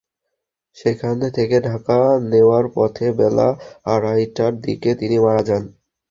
সেখান থেকে ঢাকা নেওয়ার পথে বেলা আড়াইটার দিকে তিনি মারা যান।